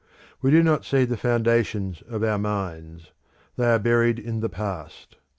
We do not see the foundations of our minds: they are buried in the past.